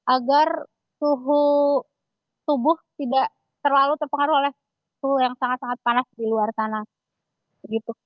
agar suhu tubuh tidak terlalu terpengaruh oleh suhu yang sangat sangat panas di luar sana